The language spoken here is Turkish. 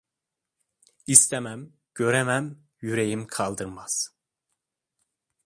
İstemem… Göremem… Yüreğim kaldırmaz.